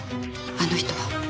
あの人は。